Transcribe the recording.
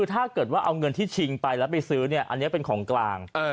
ถ้าเกิดเอาเงินที่ก็ชิงไปเป็นของกลาง